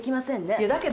いやだけど。